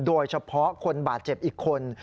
โดยเฉพาะคนบาดเจ็บอีกคน